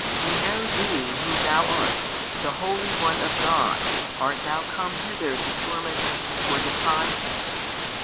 we know Thee Who Thou art, The Holy One of God, art Thou come hither to torment us before the time?